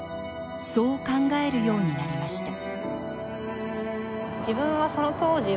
そう考えるようになりました